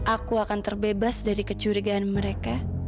aku akan terbebas dari kecurigaan mereka